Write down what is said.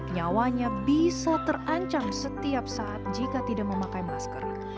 nyawanya bisa terancam setiap saat jika tidak memakai masker